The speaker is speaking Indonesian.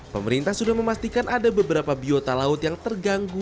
pemerintah sudah memastikan ada beberapa biota laut yang terganggu